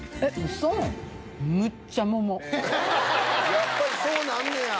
やっぱりそうなんねや。